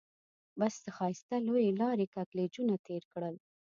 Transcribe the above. بس د ښایسته لويې لارې کږلېچونه تېر کړل.